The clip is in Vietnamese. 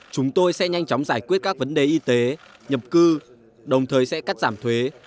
chúng tôi sẽ nhanh chóng giải quyết các vấn đề y tế nhập cư đồng thời sẽ cắt giảm thuế